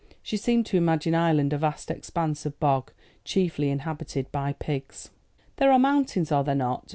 She seemed to imagine Ireland a vast expanse of bog chiefly inhabited by pigs. "There are mountains, are there not?"